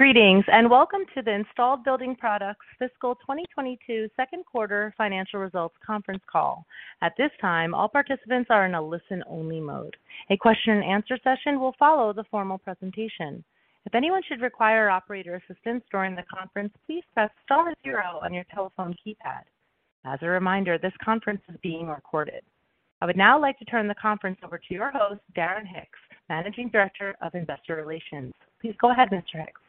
Greetings, and welcome to the Installed Building Products Fiscal 2022 Second Quarter Financial Results conference call. At this time, all participants are in a listen-only mode. A question and answer session will follow the formal presentation. If anyone should require operator assistance during the conference, please press star zero on your telephone keypad. As a reminder, this conference is being recorded. I would now like to turn the conference over to your host, Darren Hicks, Managing Director of Investor Relations. Please go ahead, Mr. Hicks.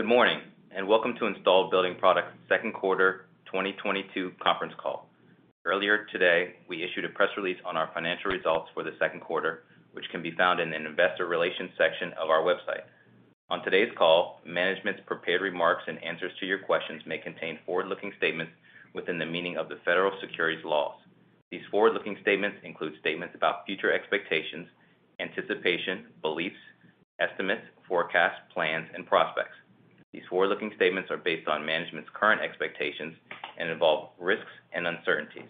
Good morning, and welcome to Installed Building Products' second quarter 2022 conference call. Earlier today, we issued a press release on our financial results for the second quarter, which can be found in an Investor Relations section of our website. On today's call, management's prepared remarks and answers to your questions may contain forward-looking statements within the meaning of the federal securities laws. These forward-looking statements include statements about future expectations, anticipation, beliefs, estimates, forecasts, plans, and prospects. These forward-looking statements are based on management's current expectations and involve risks and uncertainties.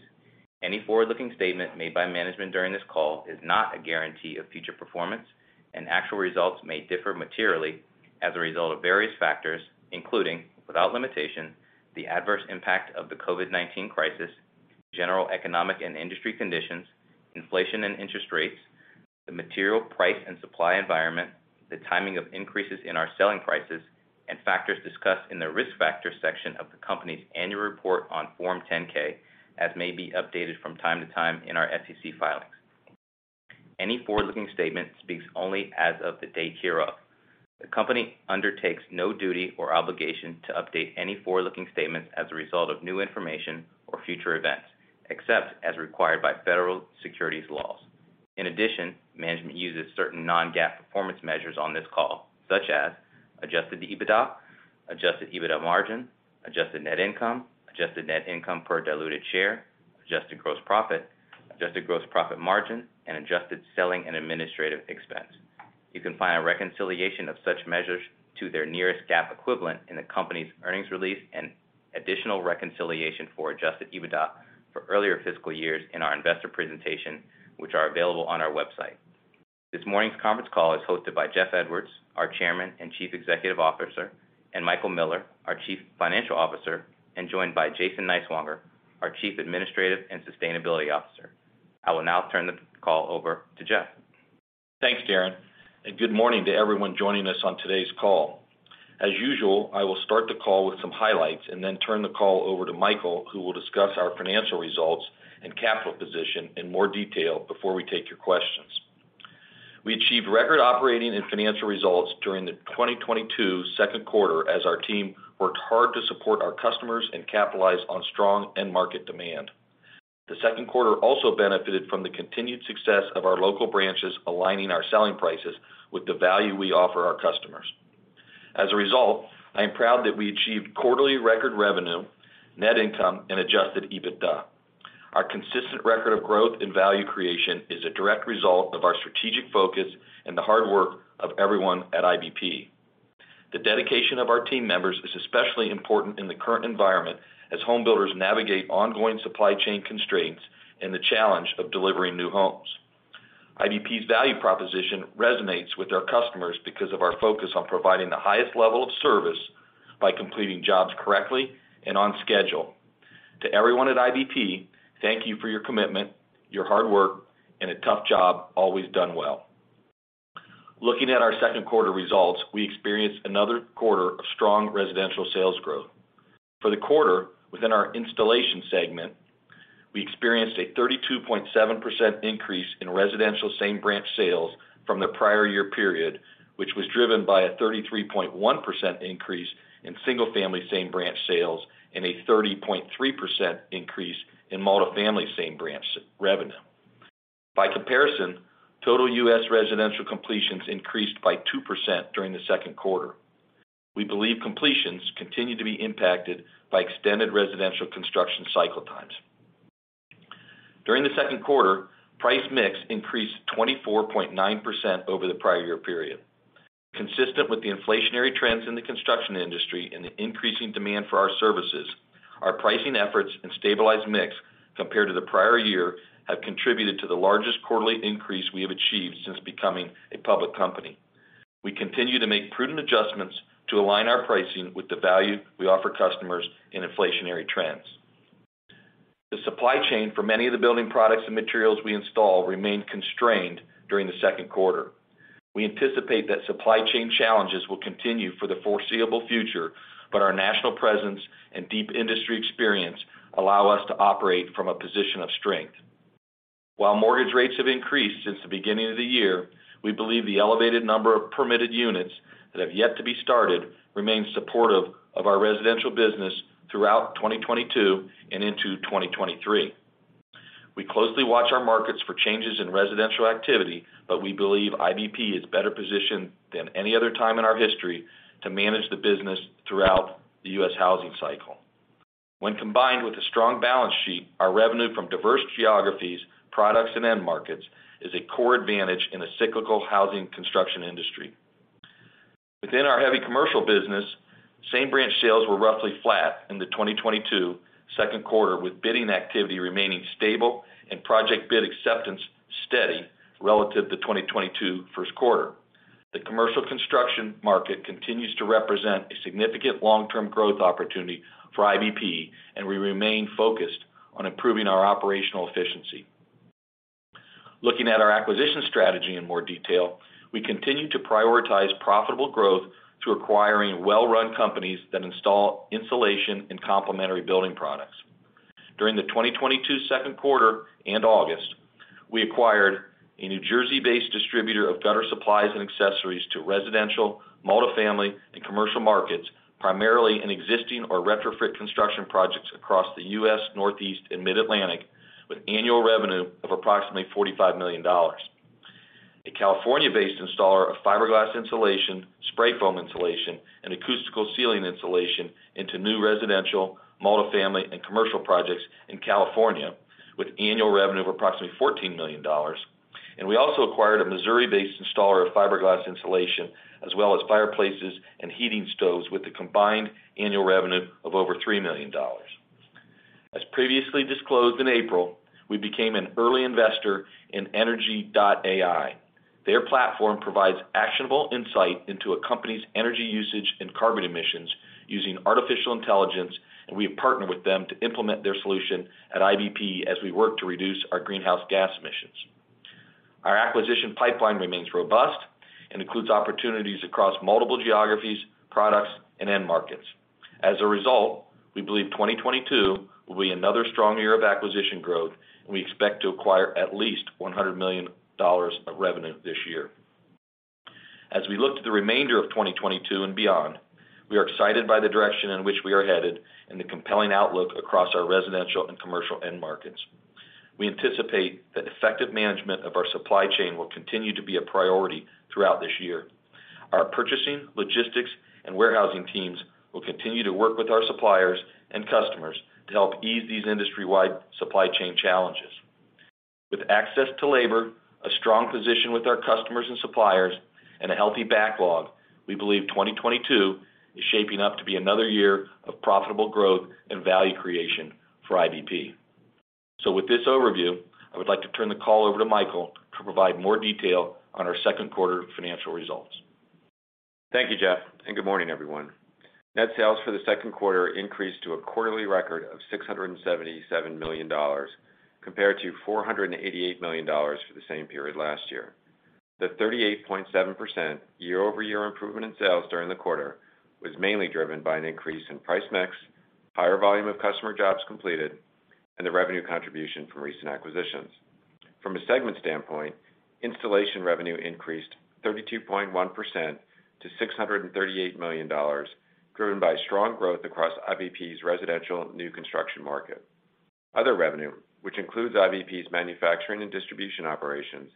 Any forward-looking statement made by management during this call is not a guarantee of future performance, and actual results may differ materially as a result of various factors, including, without limitation, the adverse impact of the COVID-19 crisis, general economic and industry conditions, inflation and interest rates, the material price and supply environment, the timing of increases in our selling prices, and factors discussed in the Risk Factors section of the company's annual report on Form 10-K, as may be updated from time to time in our SEC filings. Any forward-looking statement speaks only as of the date hereof. The company undertakes no duty or obligation to update any forward-looking statements as a result of new information or future events, except as required by federal securities laws. In addition, management uses certain non-GAAP performance measures on this call, such as Adjusted EBITDA, Adjusted EBITDA margin, Adjusted net income, Adjusted net income per diluted share, Adjusted gross profit, Adjusted gross profit margin, and Adjusted selling and administrative expense. You can find a reconciliation of such measures to their nearest GAAP equivalent in the company's earnings release and additional reconciliation for Adjusted EBITDA for earlier fiscal years in our investor presentation, which are available on our website. This morning's conference call is hosted by Jeff Edwards, our Chairman and Chief Executive Officer, and Michael Miller, our Chief Financial Officer, and joined by Jason Niswonger, our Chief Administrative and Sustainability Officer. I will now turn the call over to Jeff. Thanks, Darren, and good morning to everyone joining us on today's call. As usual, I will start the call with some highlights and then turn the call over to Michael, who will discuss our financial results and capital position in more detail before we take your questions. We achieved record operating and financial results during the 2022 second quarter as our team worked hard to support our customers and capitalize on strong end market demand. The second quarter also benefited from the continued success of our local branches aligning our selling prices with the value we offer our customers. As a result, I am proud that we achieved quarterly record revenue, net income, and Adjusted EBITDA. Our consistent record of growth and value creation is a direct result of our strategic focus and the hard work of everyone at IBP. The dedication of our team members is especially important in the current environment as home builders navigate ongoing supply chain constraints and the challenge of delivering new homes. IBP's value proposition resonates with our customers because of our focus on providing the highest level of service by completing jobs correctly and on schedule. To everyone at IBP, thank you for your commitment, your hard work, and a tough job always done well. Looking at our second quarter results, we experienced another quarter of strong residential sales growth. For the quarter, within our installation segment, we experienced a 32.7% increase in residential same branch sales from the prior year period, which was driven by a 33.1% increase in single-family same branch sales and a 30.3% increase in multifamily same branch revenue. By comparison, total U.S. residential completions increased by 2% during the second quarter. We believe completions continue to be impacted by extended residential construction cycle times. During the second quarter, price mix increased 24.9% over the prior year period. Consistent with the inflationary trends in the construction industry and the increasing demand for our services, our pricing efforts and stabilized mix compared to the prior year have contributed to the largest quarterly increase we have achieved since becoming a public company. We continue to make prudent adjustments to align our pricing with the value we offer customers in inflationary trends. The supply chain for many of the building products and materials we install remained constrained during the second quarter. We anticipate that supply chain challenges will continue for the foreseeable future, but our national presence and deep industry experience allow us to operate from a position of strength. While mortgage rates have increased since the beginning of the year, we believe the elevated number of permitted units that have yet to be started remains supportive of our residential business throughout 2022 and into 2023. We closely watch our markets for changes in residential activity, but we believe IBP is better positioned than any other time in our history to manage the business throughout the U.S. housing cycle. When combined with a strong balance sheet, our revenue from diverse geographies, products, and end markets is a core advantage in the cyclical housing construction industry. Within our heavy commercial business, same branch sales were roughly flat in the 2022 second quarter, with bidding activity remaining stable and project bid acceptance steady relative to 2022 first quarter. The commercial construction market continues to represent a significant long-term growth opportunity for IBP, and we remain focused on improving our operational efficiency. Looking at our acquisition strategy in more detail, we continue to prioritize profitable growth through acquiring well-run companies that install insulation and complementary building products. During the 2022 second quarter and August, we acquired a New Jersey-based distributor of gutter supplies and accessories to residential, multifamily, and commercial markets, primarily in existing or retrofit construction projects across the U.S., Northeast and Mid-Atlantic, with annual revenue of approximately $45 million. A California-based installer of fiberglass insulation, spray foam insulation, and acoustical ceiling insulation into new residential, multifamily, and commercial projects in California with annual revenue of approximately $14 million. We also acquired a Missouri-based installer of fiberglass insulation, as well as fireplaces and heating stoves with a combined annual revenue of over $3 million. As previously disclosed in April, we became an early investor in Energi.AI. Their platform provides actionable insight into a company's energy usage and carbon emissions using artificial intelligence, and we have partnered with them to implement their solution at IBP as we work to reduce our greenhouse gas emissions. Our acquisition pipeline remains robust and includes opportunities across multiple geographies, products, and end markets. As a result, we believe 2022 will be another strong year of acquisition growth, and we expect to acquire at least $100 million of revenue this year. As we look to the remainder of 2022 and beyond, we are excited by the direction in which we are headed and the compelling outlook across our residential and commercial end markets. We anticipate that effective management of our supply chain will continue to be a priority throughout this year. Our purchasing, logistics, and warehousing teams will continue to work with our suppliers and customers to help ease these industry-wide supply chain challenges. With access to labor, a strong position with our customers and suppliers, and a healthy backlog, we believe 2022 is shaping up to be another year of profitable growth and value creation for IBP. With this overview, I would like to turn the call over to Michael to provide more detail on our second quarter financial results. Thank you, Jeff, and good morning, everyone. Net sales for the second quarter increased to a quarterly record of $677 million compared to $488 million for the same period last year. The 38.7% year-over-year improvement in sales during the quarter was mainly driven by an increase in price mix, higher volume of customer jobs completed, and the revenue contribution from recent acquisitions. From a segment standpoint, installation revenue increased 32.1% to $638 million, driven by strong growth across IBP's residential new construction market. Other revenue, which includes IBP's manufacturing and distribution operations,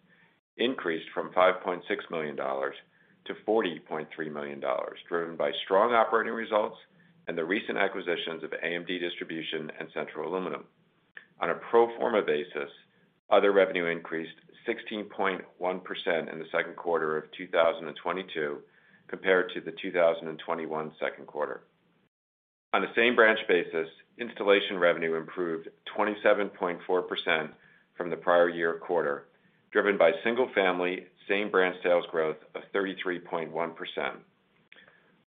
increased from $5.6 million-$40.3 million, driven by strong operating results and the recent acquisitions of AMD Distribution and Central Aluminum. On a pro forma basis, other revenue increased 16.1% in the second quarter of 2022 compared to the 2021 second quarter. On a same branch basis, installation revenue improved 27.4% from the prior year quarter, driven by single-family same branch sales growth of 33.1%.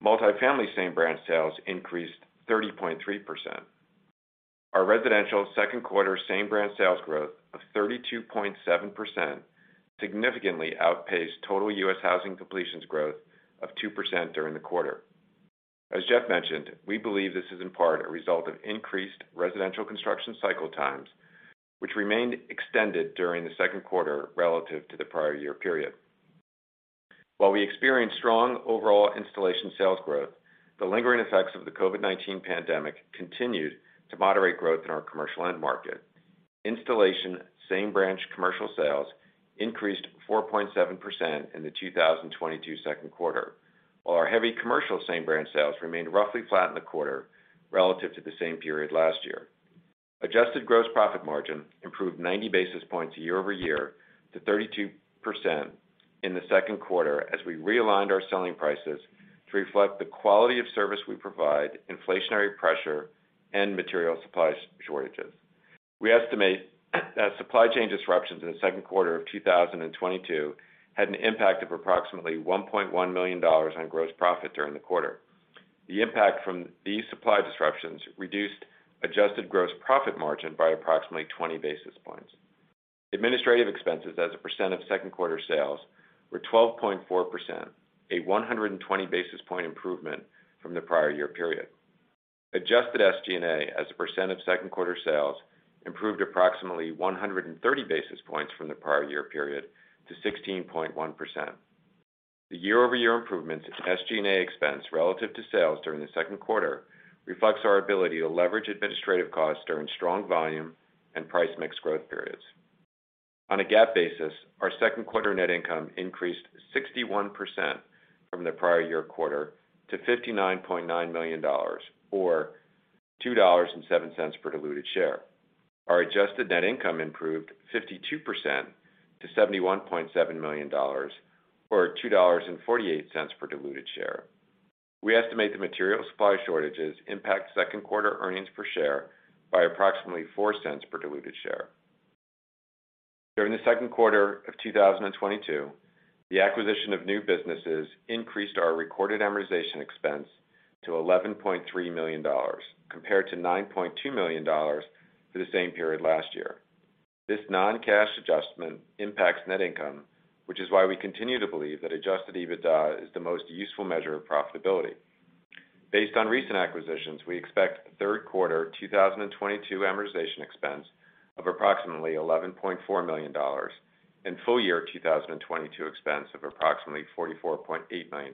Multifamily same branch sales increased 30.3%. Our residential second quarter same branch sales growth of 32.7% significantly outpaced total U.S. housing completions growth of 2% during the quarter. As Jeff mentioned, we believe this is in part a result of increased residential construction cycle times, which remained extended during the second quarter relative to the prior year period. While we experienced strong overall installation sales growth, the lingering effects of the COVID-19 pandemic continued to moderate growth in our commercial end market. Installed same-branch commercial sales increased 4.7% in the 2022 second quarter, while our heavy commercial same-branch sales remained roughly flat in the quarter relative to the same period last year. Adjusted gross profit margin improved 90 basis points year-over-year to 32% in the second quarter as we realigned our selling prices to reflect the quality of service we provide, inflationary pressure, and material supply shortages. We estimate that supply chain disruptions in the second quarter of 2022 had an impact of approximately $1.1 million on gross profit during the quarter. The impact from these supply disruptions reduced adjusted gross profit margin by approximately 20 basis points. Administrative expenses as a percent of second quarter sales were 12.4%, a 120 basis point improvement from the prior year period. Adjusted SG&A as a percent of second quarter sales improved approximately 130 basis points from the prior year period to 16.1%. The year-over-year improvements in SG&A expense relative to sales during the second quarter reflects our ability to leverage administrative costs during strong volume and price mix growth periods. On a GAAP basis, our second quarter net income increased 61% from the prior year quarter to $59.9 million, or $2.07 per diluted share. Our adjusted net income improved 52% to $71.7 million, or $2.48 per diluted share. We estimate the material supply shortages impact second quarter earnings per share by approximately $0.04 per diluted share. During the second quarter of 2022, the acquisition of new businesses increased our recorded amortization expense to $11.3 million compared to $9.2 million for the same period last year. This non-cash adjustment impacts net income, which is why we continue to believe that Adjusted EBITDA is the most useful measure of profitability. Based on recent acquisitions, we expect third quarter 2022 amortization expense of approximately $11.4 million and full year 2022 expense of approximately $44.8 million.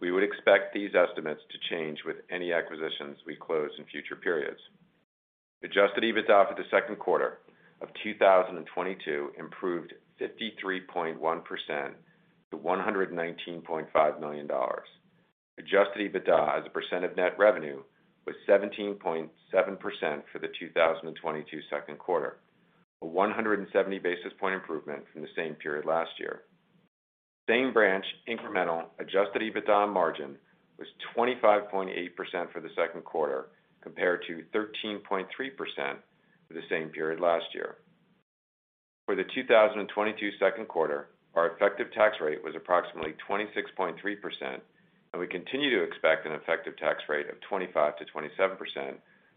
We would expect these estimates to change with any acquisitions we close in future periods. Adjusted EBITDA for the second quarter of 2022 improved 53.1% to $119.5 million. Adjusted EBITDA as a percent of net revenue was 17.7% for the 2022 second quarter, a 170 basis point improvement from the same period last year. Same branch incremental Adjusted EBITDA margin was 25.8% for the second quarter, compared to 13.3% for the same period last year. For the 2022 second quarter, our effective tax rate was approximately 26.3%, and we continue to expect an effective tax rate of 25%-27%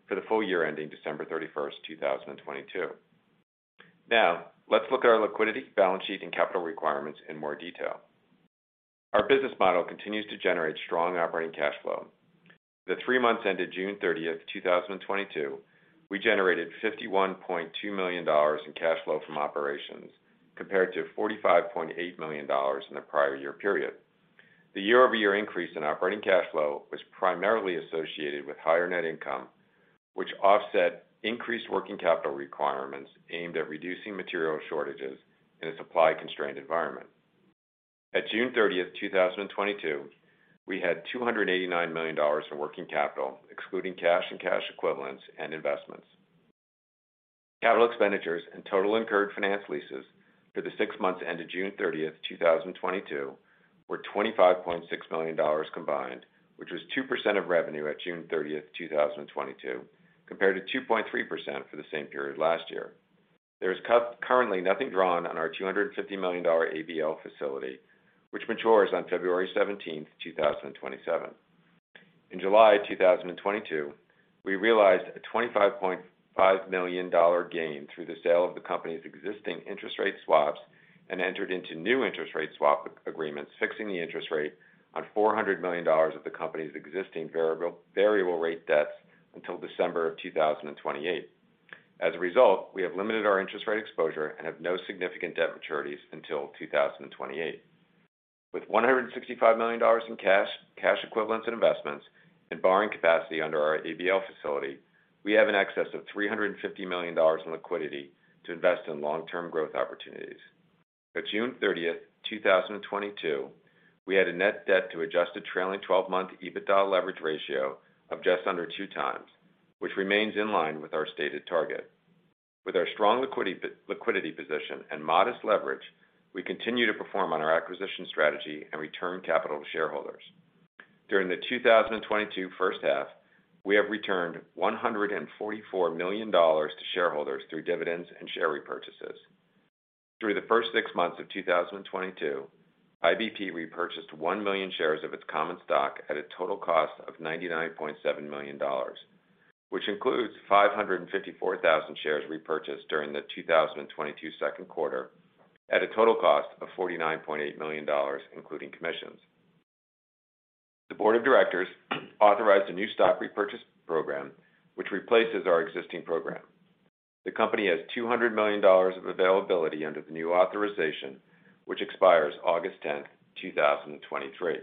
for the full year ending December 31st, 2022. Now, let's look at our liquidity, balance sheet, and capital requirements in more detail. Our business model continues to generate strong operating cash flow. The three months ended June 30th, 2022, we generated $51.2 million in cash flow from operations compared to $45.8 million in the prior year period. The year-over-year increase in operating cash flow was primarily associated with higher net income, which offset increased working capital requirements aimed at reducing material shortages in a supply-constrained environment. At June 30th, 2022, we had $289 million in working capital, excluding cash and cash equivalents and investments. Capital expenditures and total incurred finance leases for the six months ended June 30th, 2022 were $25.6 million combined, which was 2% of revenue at June 30th, 2022, compared to 2.3% for the same period last year. There is currently nothing drawn on our $250 million ABL facility, which matures on February 17, 2027. In July 2022, we realized a $25.5 million gain through the sale of the company's existing interest rate swaps and entered into new interest rate swap agreements, fixing the interest rate on $400 million of the company's existing variable rate debts until December 2028. As a result, we have limited our interest rate exposure and have no significant debt maturities until 2028. With $165 million in cash equivalents, and investments, and borrowing capacity under our ABL facility, we have an excess of $350 million in liquidity to invest in long-term growth opportunities. At June 30th, 2022, we had a net debt to adjusted trailing 12-month EBITDA leverage ratio of just under 2x, which remains in line with our stated target. With our strong liquidity position and modest leverage, we continue to perform on our acquisition strategy and return capital to shareholders. During the 2022 first half, we have returned $144 million to shareholders through dividends and share repurchases. Through the first six months of 2022, IBP repurchased 1 million shares of its common stock at a total cost of $99.7 million, which includes 554,000 shares repurchased during the 2022 second quarter at a total cost of $49.8 million, including commissions. The board of directors authorized a new stock repurchase program, which replaces our existing program. The company has $200 million of availability under the new authorization, which expires August 10, 2023.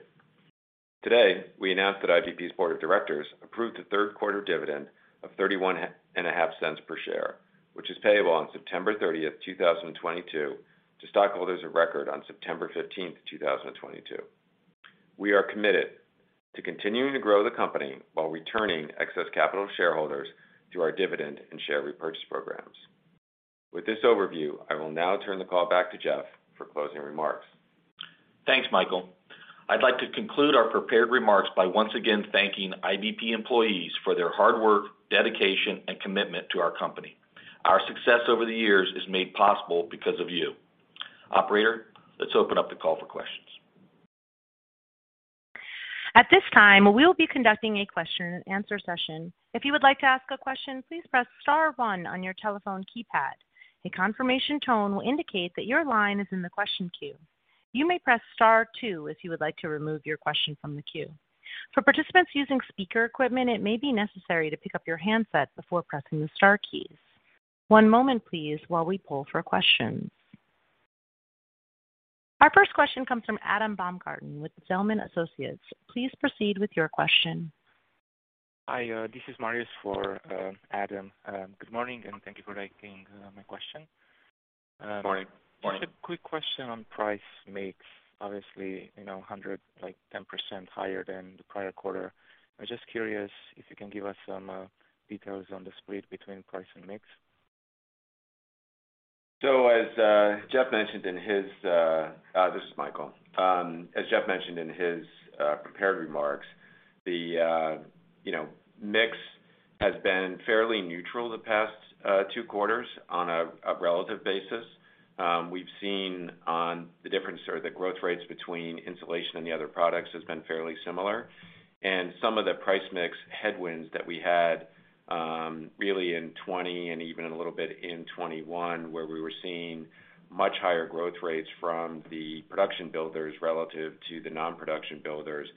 Today, we announced that IBP's board of directors approved the third quarter dividend of $0.315 per share, which is payable on September 30th, 2022 to stockholders of record on September 15th, 2022. We are committed to continuing to grow the company while returning excess capital to shareholders through our dividend and share repurchase programs. With this overview, I will now turn the call back to Jeff for closing remarks. Thanks, Michael. I'd like to conclude our prepared remarks by once again thanking IBP employees for their hard work, dedication, and commitment to our company. Our success over the years is made possible because of you. Operator, let's open up the call for questions. At this time, we will be conducting a question and answer session. If you would like to ask a question, please press star one on your telephone keypad. A confirmation tone will indicate that your line is in the question queue. You may press star two if you would like to remove your question from the queue. For participants using speaker equipment, it may be necessary to pick up your handset before pressing the star keys. One moment please, while we pull for questions. Our first question comes from Adam Baumgarten with Zelman & Associates. Please proceed with your question. Hi, this is Marius for Adam. Good morning, and thank you for taking my question. Good morning. Just a quick question on price mix. Obviously, you know, 100 like 10% higher than the prior quarter. I'm just curious if you can give us some details on the split between price and mix. This is Michael. As Jeff mentioned in his prepared remarks, you know, the mix has been fairly neutral the past two quarters on a relative basis. We've seen the difference in the growth rates between insulation and the other products has been fairly similar. Some of the price mix headwinds that we had really in 2020 and even a little bit in 2021, where we were seeing much higher growth rates from the production builders relative to the non-production builders,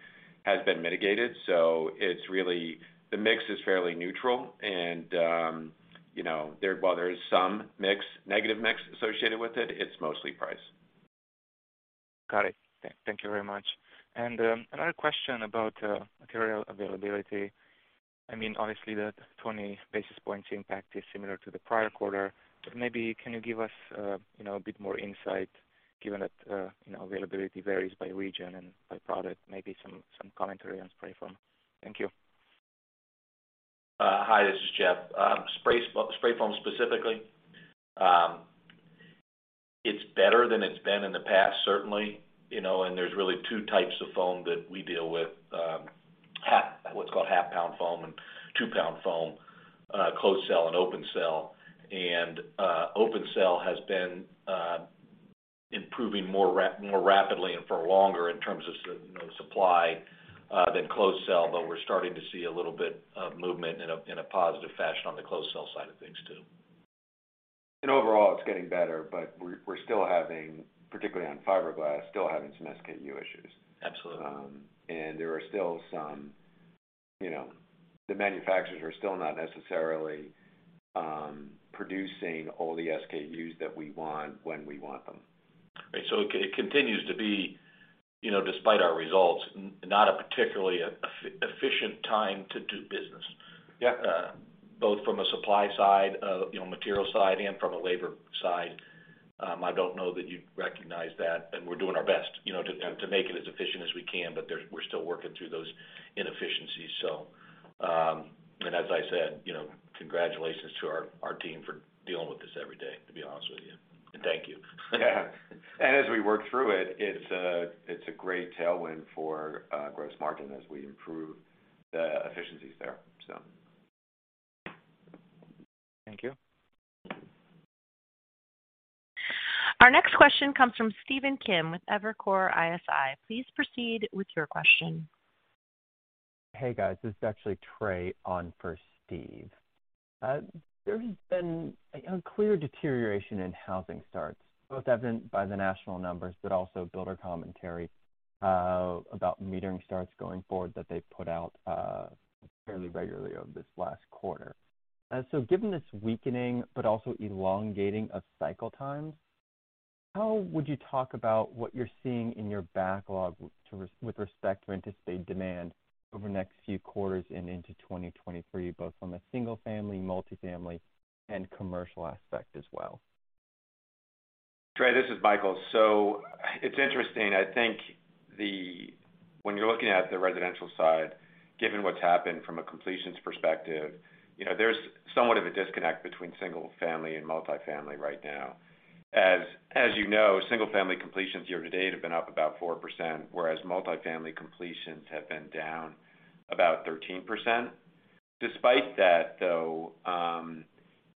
has been mitigated. It's really the mix is fairly neutral and, you know, while there is some negative mix associated with it's mostly price. Got it. Thank you very much. Another question about material availability. I mean, obviously the 20 basis points impact is similar to the prior quarter. Maybe can you give us, you know, a bit more insight given that, you know, availability varies by region and by product, maybe some commentary on spray foam. Thank you. Hi, this is Jeff. Spray foam specifically, it's better than it's been in the past, certainly. You know, and there's really two types of foam that we deal with, what's called Half-pound foam and Two-pound foam, closed cell and open cell. Open cell has been improving more rapidly and for longer in terms of supply, you know, than closed cell, but we're starting to see a little bit of movement in a positive fashion on the closed cell side of things too. Overall, it's getting better, but we're still having, particularly on fiberglass, some SKU issues. Absolutely. There are still some, you know. The manufacturers are still not necessarily producing all the SKUs that we want when we want them. It continues to be, you know, despite our results, not a particularly efficient time to do business. Yeah. Both from a supply side, you know, material side and from a labor side. I don't know that you'd recognize that, and we're doing our best, you know, to make it as efficient as we can, but we're still working through those inefficiencies. As I said, you know, congratulations to our team for dealing with this every day, to be honest with you. Thank you. Yeah. As we work through it's a great tailwind for gross margin as we improve the efficiencies there, so. Thank you. Our next question comes from Stephen Kim with Evercore ISI. Please proceed with your question. Hey, guys. This is actually Trey on for Steve. There's been a clear deterioration in housing starts, both evident by the national numbers, but also builder commentary about their starts going forward that they've put out fairly regularly over this last quarter. Given this weakening but also elongating of cycle times, how would you talk about what you're seeing in your backlog with respect to anticipated demand over the next few quarters and into 2023, both from a single-family, multi-family, and commercial aspect as well? Trey, this is Michael. It's interesting. I think when you're looking at the residential side, given what's happened from a completions perspective, you know, there's somewhat of a disconnect between single-family and multi-family right now. As you know, single-family completions year to date have been up about 4%, whereas multi-family completions have been down about 13%. Despite that, though,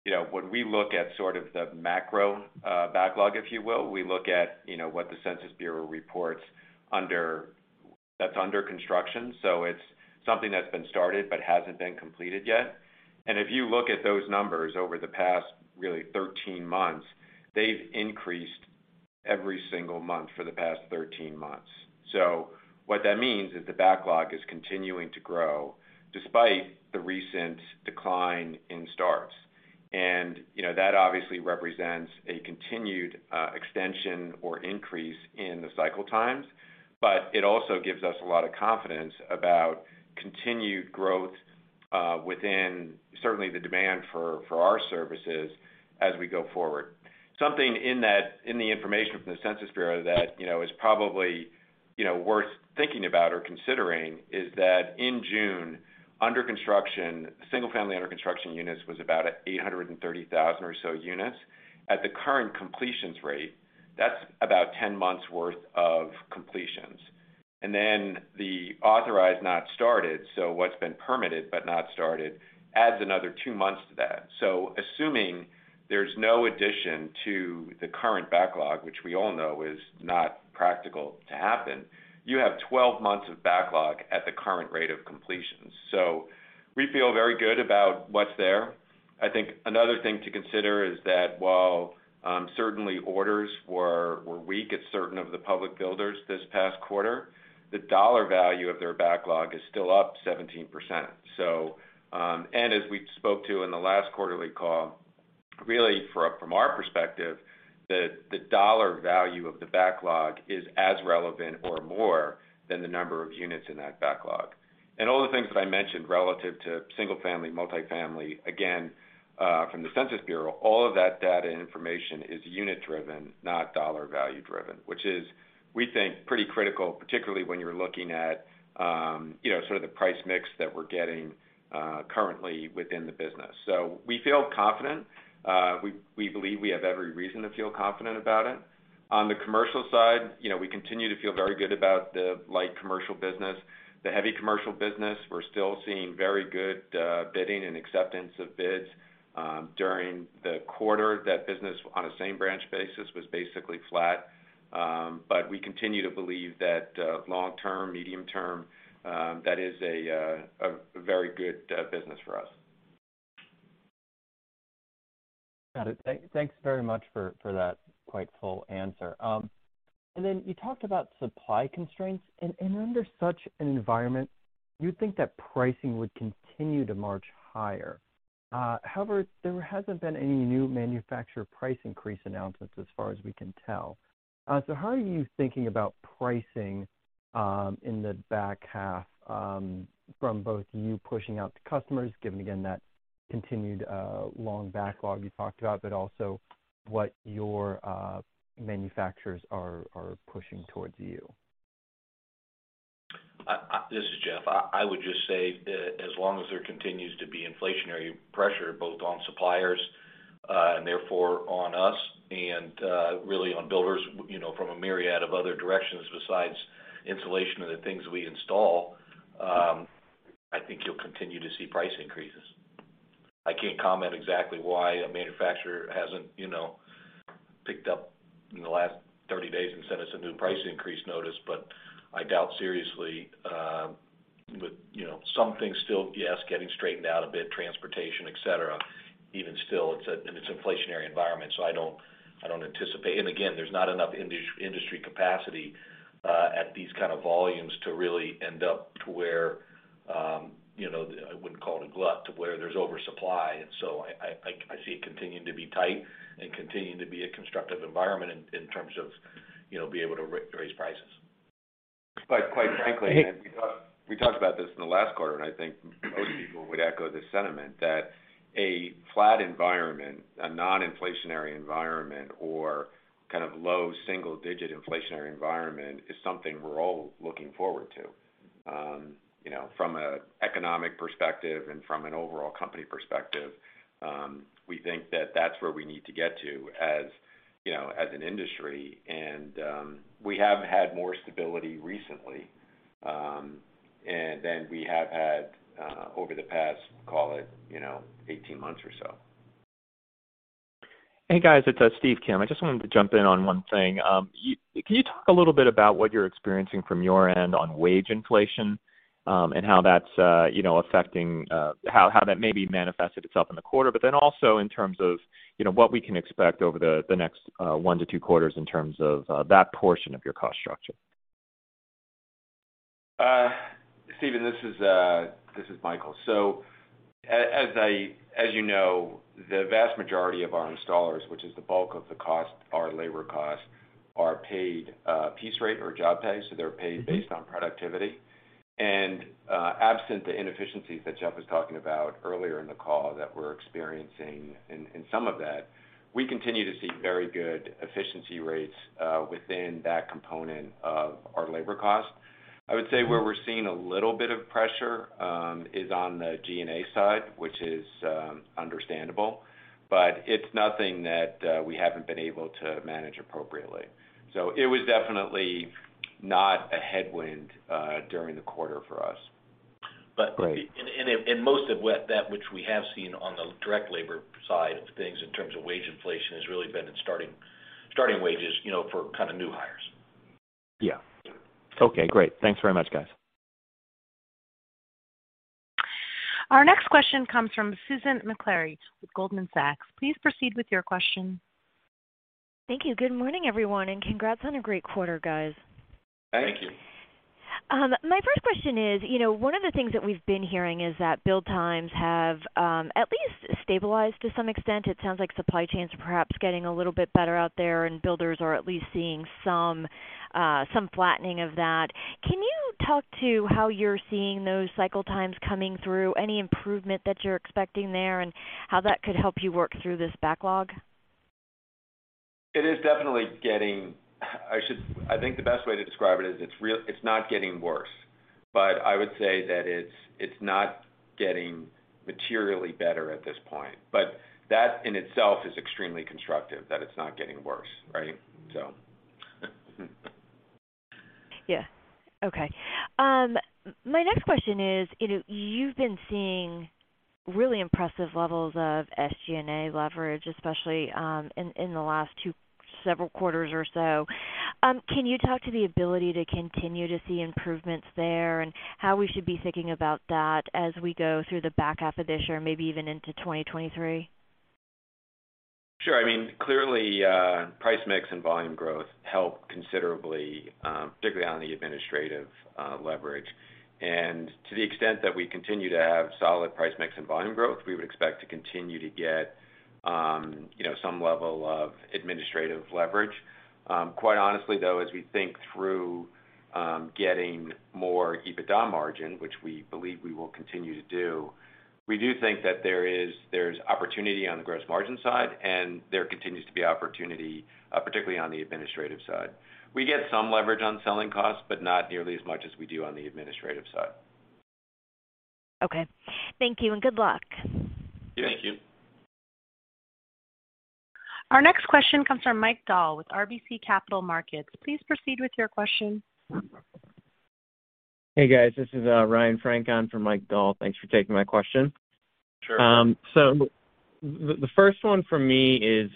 you know, when we look at sort of the macro backlog, if you will, we look at what the Census Bureau reports under construction, so it's something that's been started but hasn't been completed yet. If you look at those numbers over the past 13 months, they've increased every single month for the past 13 months. What that means is the backlog is continuing to grow despite the recent decline in starts. You know, that obviously represents a continued extension or increase in the cycle times, but it also gives us a lot of confidence about continued growth within certainly the demand for our services as we go forward. Something in the information from the Census Bureau that you know is probably you know worth thinking about or considering is that in June, single-family under construction units was about 830,000 or so units. At the current completions rate, that's about 10 months worth of completions. The authorized not started, so what's been permitted but not started, adds another two months to that. Assuming there's no addition to the current backlog, which we all know is not practical to happen, you have 12 months of backlog at the current rate of completions. We feel very good about what's there. I think another thing to consider is that while certainly orders were weak at certain of the public builders this past quarter, the dollar value of their backlog is still up 17%. And as we spoke to in the last quarterly call, really from our perspective, the dollar value of the backlog is as relevant or more than the number of units in that backlog. All the things that I mentioned relative to single-family, multifamily, again from the Census Bureau, all of that data information is unit-driven, not dollar value driven, which we think is pretty critical, particularly when you're looking at you know sort of the price mix that we're getting currently within the business. We feel confident. We believe we have every reason to feel confident about it. On the commercial side, you know, we continue to feel very good about the light commercial business. The heavy commercial business, we're still seeing very good bidding and acceptance of bids. During the quarter, that business on a same branch basis was basically flat. We continue to believe that long-term, medium-term, that is a very good business for us. Got it. Thanks very much for that quite full answer. Then you talked about supply constraints. Under such an environment, you'd think that pricing would continue to march higher. However, there hasn't been any new manufacturer price increase announcements as far as we can tell. So how are you thinking about pricing in the back half from both you pushing out to customers, given again that continued long backlog you talked about, but also what your manufacturers are pushing towards you? This is Jeff. I would just say that as long as there continues to be inflationary pressure both on suppliers and therefore on us and really on builders, you know, from a myriad of other directions besides insulation and the things we install, I think you'll continue to see price increases. I can't comment exactly why a manufacturer hasn't, you know, picked up in the last 30 days and sent us a new price increase notice, but I doubt seriously, with, you know, some things still, yes, getting straightened out a bit, transportation, et cetera, even still, it's in this inflationary environment. I don't anticipate. Again, there's not enough industry capacity at these kind of volumes to really end up to where, you know, I wouldn't call it a glut, to where there's oversupply. I see it continuing to be tight and continuing to be a constructive environment in terms of, you know, be able to raise prices. Quite frankly, we talked about this in the last quarter, and I think most people would echo the sentiment that a flat environment, a non-inflationary environment or kind of low single-digit inflationary environment is something we're all looking forward to. You know, from an economic perspective and from an overall company perspective, we think that that's where we need to get to as, you know, as an industry and, we have had more stability recently than we have had over the past, call it, you know, 18 months or so. Hey, guys, it's Steve Kim. I just wanted to jump in on one thing. Can you talk a little bit about what you're experiencing from your end on wage inflation, and how that's, you know, affecting how that maybe manifested itself in the quarter, but then also in terms of, you know, what we can expect over the next one to two quarters in terms of that portion of your cost structure? Stephen, this is Michael. As you know, the vast majority of our installers, which is the bulk of the cost, our labor costs, are paid piece rate or job pay, so they're paid based on productivity. Absent the inefficiencies that Jeff was talking about earlier in the call that we're experiencing in some of that, we continue to see very good efficiency rates within that component of our labor cost. I would say where we're seeing a little bit of pressure is on the G&A side, which is understandable, but it's nothing that we haven't been able to manage appropriately. It was definitely not a headwind during the quarter for us. Great. Most of that which we have seen on the direct labor side of things in terms of wage inflation has really been in starting wages, you know, for kind of new hires. Yeah. Okay, great. Thanks very much, guys. Our next question comes from Susan Maklari with Goldman Sachs. Please proceed with your question. Thank you. Good morning, everyone, and congrats on a great quarter, guys. Thank you. Thank you. My first question is, you know, one of the things that we've been hearing is that build times have at least stabilized to some extent. It sounds like supply chains are perhaps getting a little bit better out there and builders are at least seeing some flattening of that. Can you talk to how you're seeing those cycle times coming through, any improvement that you're expecting there and how that could help you work through this backlog? It is definitely getting. I think the best way to describe it is it's not getting worse. I would say that it's not getting materially better at this point. That in itself is extremely constructive, that it's not getting worse, right? Yeah. Okay. My next question is, you know, you've been seeing really impressive levels of SG&A leverage, especially in the last two several quarters or so. Can you talk to the ability to continue to see improvements there and how we should be thinking about that as we go through the back half of this year, maybe even into 2023? Sure. I mean, clearly, price mix and volume growth help considerably, particularly on the administrative leverage. To the extent that we continue to have solid price mix and volume growth, we would expect to continue to get, you know, some level of administrative leverage. Quite honestly, though, as we think through getting more EBITDA margin, which we believe we will continue to do, we do think that there's opportunity on the gross margin side and there continues to be opportunity, particularly on the administrative side. We get some leverage on selling costs, but not nearly as much as we do on the administrative side. Okay. Thank you, and good luck. Thank you. Our next question comes from Michael Dahl with RBC Capital Markets. Please proceed with your question. Hey, guys, this is Ryan Frank on for Michael Dahl. Thanks for taking my question. Sure. The first one for me is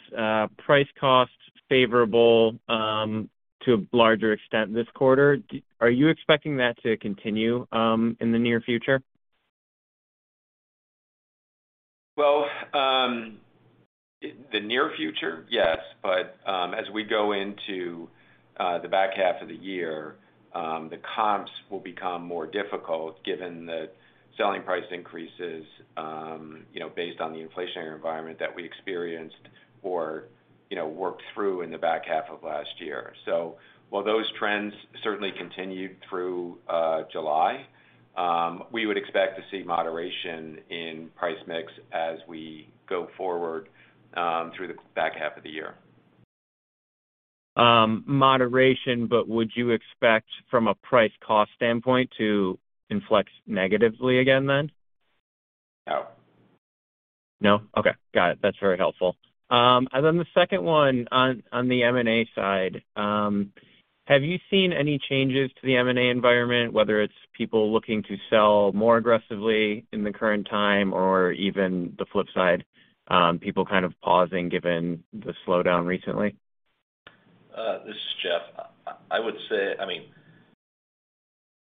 price-costs favorable to a larger extent this quarter. Are you expecting that to continue in the near future? Well, in the near future, yes. As we go into the back half of the year, the comps will become more difficult given the selling price increases, you know, based on the inflationary environment that we experienced or, you know, worked through in the back half of last year. While those trends certainly continued through July, we would expect to see moderation in price mix as we go forward through the back half of the year. Moderation, but would you expect from a price-cost standpoint to inflect negatively again then? No. No? Okay. Got it. That's very helpful. Then the second one on the M&A side. Have you seen any changes to the M&A environment, whether it's people looking to sell more aggressively in the current time or even the flip side, people kind of pausing given the slowdown recently? This is Jeff. I would say, I mean,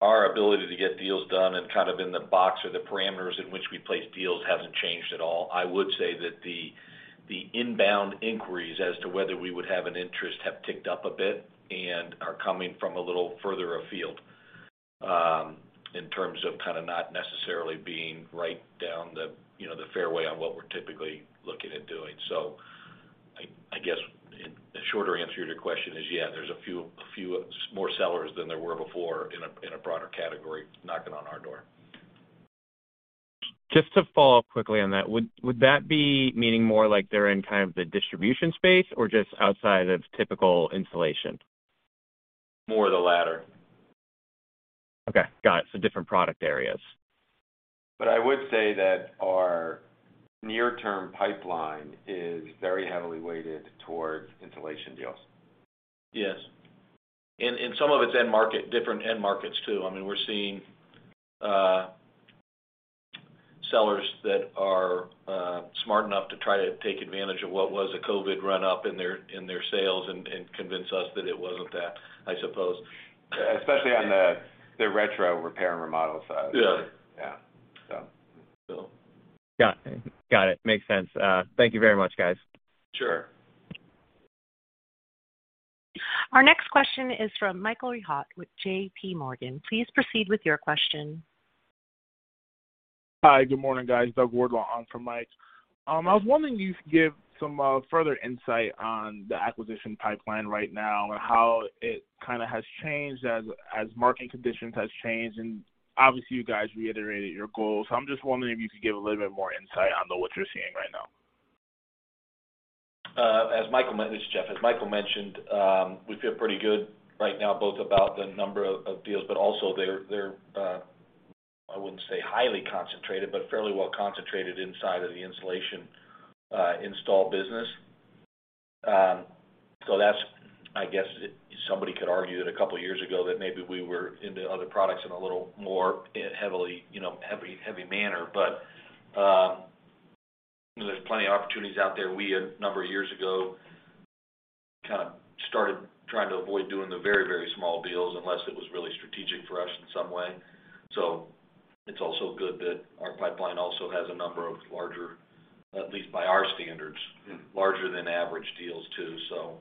our ability to get deals done and kind of in the box or the parameters in which we place deals hasn't changed at all. I would say that the inbound inquiries as to whether we would have an interest have ticked up a bit and are coming from a little further afield, in terms of kind of not necessarily being right down the, you know, the fairway on what we're typically looking at doing. I guess the shorter answer to your question is, yeah, there's a few more sellers than there were before in a broader category knocking on our door. Just to follow up quickly on that, would that be meaning more like they're in kind of the distribution space or just outside of typical insulation? More the latter. Okay. Got it. Different product areas. I would say that our near-term pipeline is very heavily weighted towards insulation deals. Yes. Some of it's end market, different end markets too. I mean, we're seeing sellers that are smart enough to try to take advantage of what was a COVID run-up in their sales and convince us that it wasn't that, I suppose. Especially on the retro repair and remodel side. Yeah. Yeah. So. Got it. Makes sense. Thank you very much, guys. Sure. Our next question is from Michael Rehaut with J.P. Morgan. Please proceed with your question. Hi. Good morning, guys. Doug Wardlaw on for Mike. I was wondering if you could give some further insight on the acquisition pipeline right now and how it kinda has changed as market conditions has changed. Obviously, you guys reiterated your goals. I'm just wondering if you could give a little bit more insight on what you're seeing right now. This is Jeff. As Michael mentioned, we feel pretty good right now both about the number of deals, but also they're fairly well concentrated inside of the insulation install business. That's, I guess somebody could argue that a couple of years ago that maybe we were into other products in a little more heavily, you know, heavy manner. There's plenty of opportunities out there. We, a number of years ago, kind of started trying to avoid doing the very small deals unless it was really strategic for us in some way. It's also good that our pipeline also has a number of larger, at least by our standards larger than average deals, too. We feel good about it. Yeah. Very good. Yeah.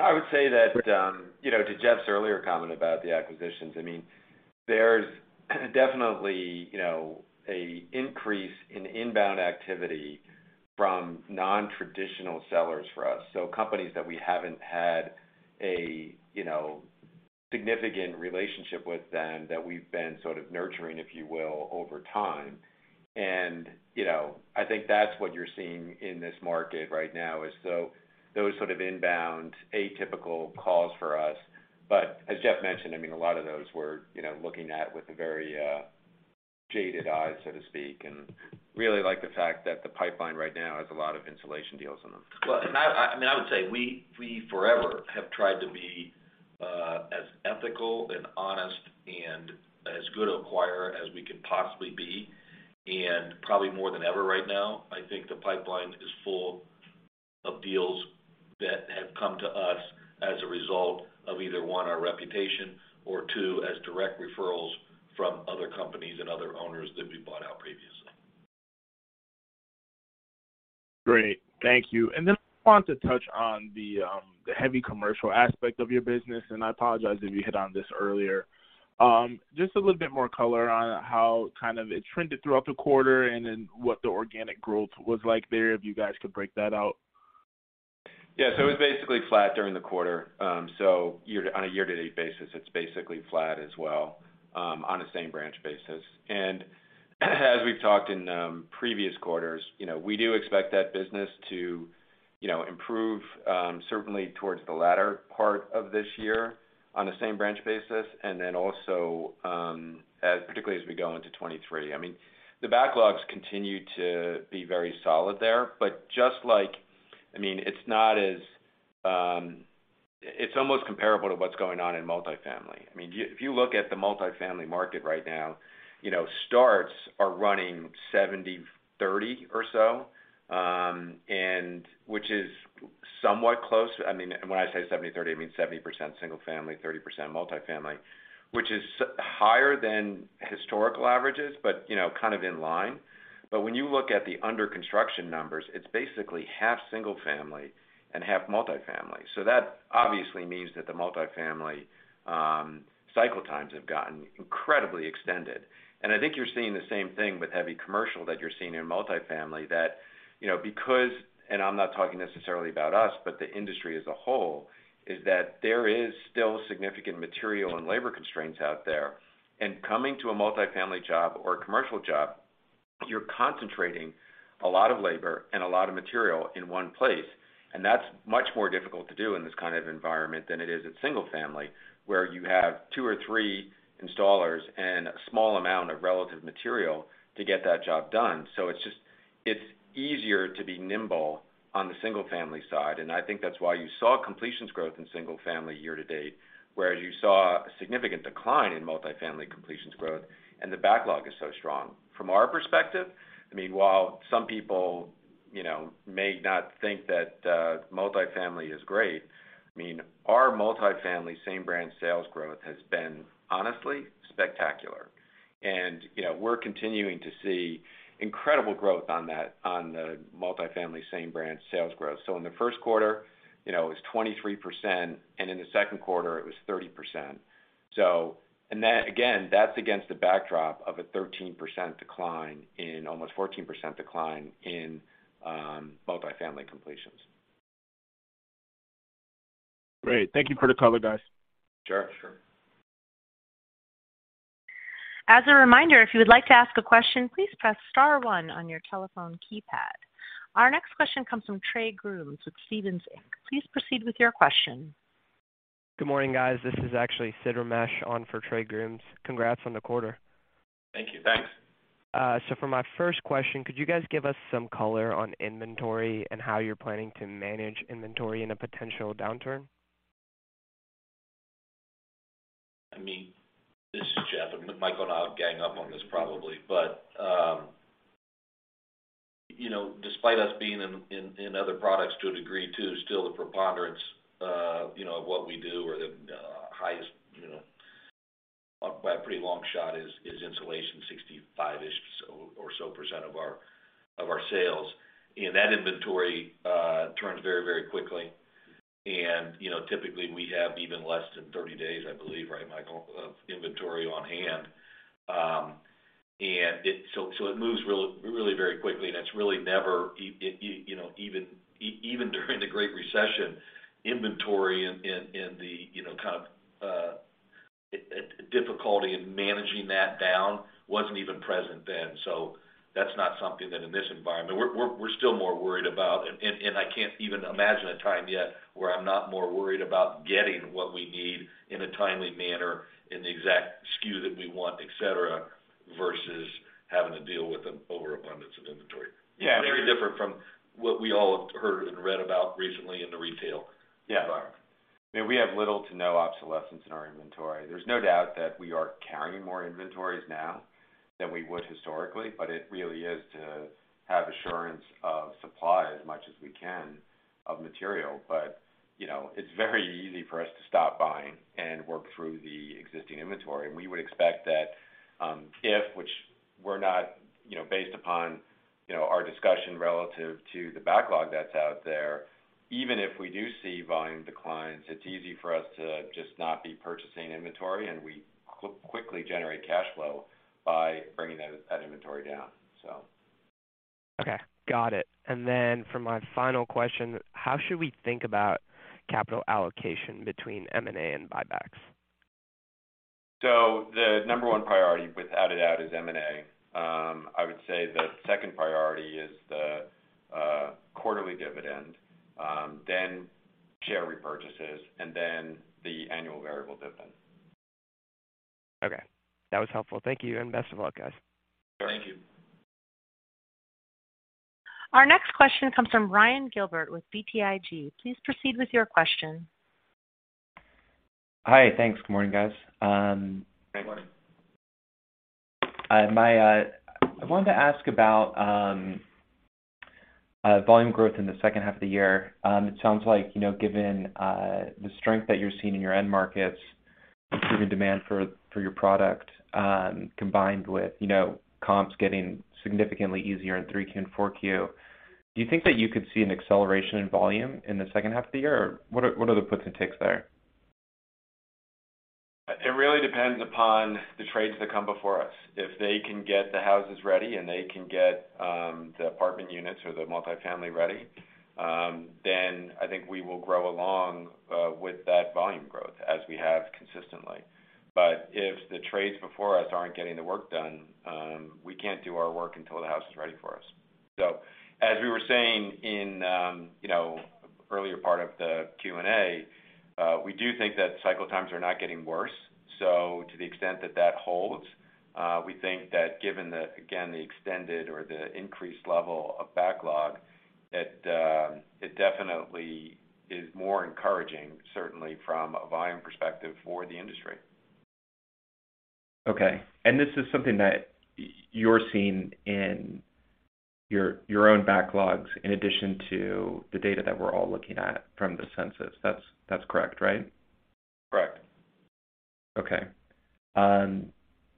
I would say that, you know, to Jeff's earlier comment about the acquisitions, I mean, there's definitely, you know, an increase in inbound activity from non-traditional sellers for us. Companies that we haven't had a, you know, significant relationship with then that we've been sort of nurturing, if you will, over time. You know, I think that's what you're seeing in this market right now, is those sort of inbound atypical calls for us. As Jeff mentioned, I mean, a lot of those we're, you know, looking at with a very, jaded eye, so to speak, and really like the fact that the pipeline right now has a lot of insulation deals in them. Well, I mean, I would say we forever have tried to be as ethical and honest and as good acquirer as we can possibly be. Probably more than ever right now, I think the pipeline is full of deals. Result of either, one, our reputation, or two, as direct referrals from other companies and other owners that we bought out previously. Great. Thank you. I want to touch on the heavy commercial aspect of your business, and I apologize if you hit on this earlier. Just a little bit more color on how kind of it trended throughout the quarter and then what the organic growth was like there, if you guys could break that out. Yeah. It was basically flat during the quarter. On a year-to-date basis, it's basically flat as well, on a same branch basis. As we've talked in previous quarters, you know, we do expect that business to, you know, improve, certainly towards the latter part of this year on a same branch basis, and then also, as particularly as we go into 2023. I mean, the backlogs continue to be very solid there, but just like, I mean, it's not as, it's almost comparable to what's going on in multifamily. I mean, if you look at the multifamily market right now, you know, starts are running 70/30 or so, and which is somewhat close. I mean, when I say 70/30, I mean 70% single family, 30% multifamily, which is higher than historical averages, but you know, kind of in line. When you look at the under construction numbers, it's basically half single family and half multifamily. That obviously means that the multifamily cycle times have gotten incredibly extended. I think you're seeing the same thing with heavy commercial that you're seeing in multifamily, you know, because I'm not talking necessarily about us, but the industry as a whole, that there is still significant material and labor constraints out there. Coming to a multifamily job or a commercial job, you're concentrating a lot of labor and a lot of material in one place, and that's much more difficult to do in this kind of environment than it is in single family, where you have two or three installers and a small amount of relative material to get that job done. It's just, it's easier to be nimble on the single family side, and I think that's why you saw completions growth in single family year to date, whereas you saw a significant decline in multifamily completions growth, and the backlog is so strong. From our perspective, I mean, while some people, you know, may not think that, multifamily is great, I mean, our multifamily same brand sales growth has been honestly spectacular. We're continuing to see incredible growth on that, on the multifamily same brand sales growth. In the first quarter, you know, it was 23%, and in the second quarter, it was 30%. And then again, that's against the backdrop of almost a 14% decline in multifamily completions. Great. Thank you for the color, guys. Sure. Sure. As a reminder, if you would like to ask a question, please press star one on your telephone keypad. Our next question comes from Trey Grooms with Stephens Inc. Please proceed with your question. Good morning, guys. This is actually Sid Ramesh on for Trey Grooms. Congrats on the quarter. Thank you. Thanks. For my first question, could you guys give us some color on inventory and how you're planning to manage inventory in a potential downturn? I mean, this is Jeff. Michael and I will gang up on this probably. You know, despite us being in other products to a degree too, still the preponderance of what we do or the highest by a pretty long shot is insulation, 65-ish% or so of our sales. That inventory turns very quickly. You know, typically, we have even less than 30 days, I believe, right, Michael, of inventory on hand. It moves really very quickly, and it's really never, you know, even during the Great Recession, inventory and the kind of difficulty in managing that down wasn't even present then. That's not something that in this environment. We're still more worried about, and I can't even imagine a time yet where I'm not more worried about getting what we need in a timely manner in the exact SKU that we want, et cetera, versus having to deal with an overabundance of inventory. Yeah. Very different from what we all have heard and read about recently in the retail environment. Yeah. I mean, we have little to no obsolescence in our inventory. There's no doubt that we are carrying more inventories now than we would historically, but it really is to have assurance of supply as much as we can of material. You know, it's very easy for us to stop buying and work through the existing inventory. We would expect that, if which we're not, you know, based upon, you know, our discussion relative to the backlog that's out there, even if we do see volume declines, it's easy for us to just not be purchasing inventory, and we quickly generate cash flow by bringing that inventory down, so. Okay. Got it. For my final question, how should we think about capital allocation between M&A and buybacks? The number one priority, without a doubt, is M&A. I would say the second priority is the quarterly dividend, then share repurchases, and then the annual variable dividend. Okay. That was helpful. Thank you, and best of luck, guys. Sure. Thank you. Our next question comes from Ryan Gilbert with BTIG. Please proceed with your question. Hi. Thanks. Good morning, guys. Good morning. I wanted to ask about volume growth in the second half of the year. It sounds like, you know, given the strength that you're seeing in your end markets, given demand for your product, combined with, you know, comps getting significantly easier in 3Q and 4Q, do you think that you could see an acceleration in volume in the second half of the year? What are the puts and takes there? It really depends upon the trades that come before us. If they can get the houses ready and they can get the apartment units or the multifamily ready, then I think we will grow along with that volume growth as we have consistently. If the trades before us aren't getting the work done, we can't do our work until the house is ready for us. As we were saying in you know, earlier part of the Q&A, we do think that cycle times are not getting worse. To the extent that that holds, we think that given the, again, the extended or the increased level of backlog, that it definitely is more encouraging, certainly from a volume perspective for the industry. Okay. This is something that you're seeing in your own backlogs in addition to the data that we're all looking at from the census. That's correct, right? Correct. Okay.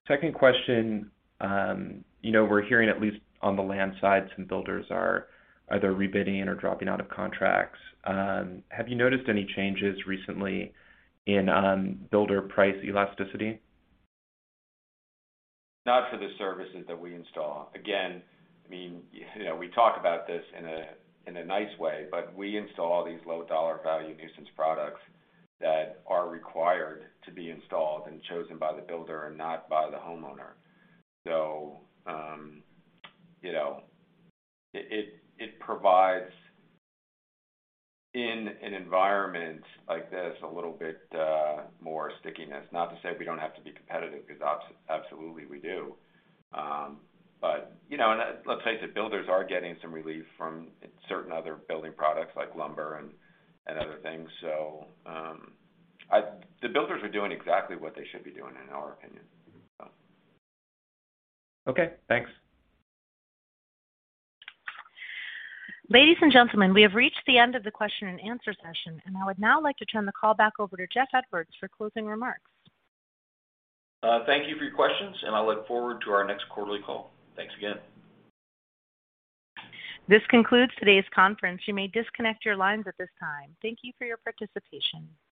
Second question. You know, we're hearing at least on the land side, some builders are either rebidding or dropping out of contracts. Have you noticed any changes recently in builder price elasticity? Not for the services that we install. Again, I mean, you know, we talk about this in a nice way, but we install all these low dollar value nuisance products that are required to be installed and chosen by the builder and not by the homeowner. You know, it provides, in an environment like this, a little bit more stickiness. Not to say we don't have to be competitive because absolutely we do. You know, let's face it, builders are getting some relief from certain other building products like lumber and other things. The builders are doing exactly what they should be doing, in our opinion. Okay, thanks. Ladies and gentlemen, we have reached the end of the question and answer session, and I would now like to turn the call back over to Jeff Edwards for closing remarks. Thank you for your questions, and I look forward to our next quarterly call. Thanks again. This concludes today's conference. You may disconnect your lines at this time. Thank you for your participation.